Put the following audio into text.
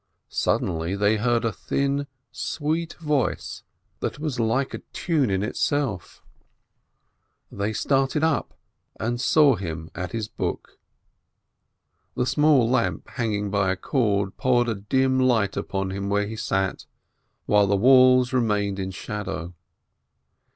Sud denly they heard a thin, sweet voice that was like a tune in itself. They started up, and saw him at his book. The small lamp hanging by a cord poured a dim light upon him where he sat, while the walls remained in shadow.